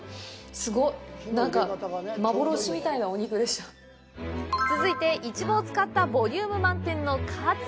すごい！続いて、イチボを使ったボリューム満点のカツ。